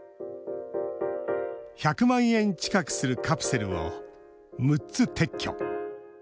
１００万円近くするカプセルを６つ撤去。